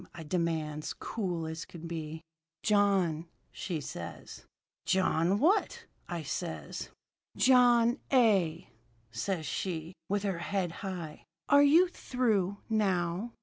I demands, cool as could be. "'John,' says she. "'John what?' I says. "'John A.,' says she, with her head high. 'Are you through, now?'